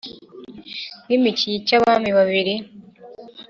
Wimikiye iki Abami babiri :